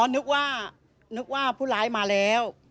นึกว่านึกว่าผู้ร้ายมาแล้ว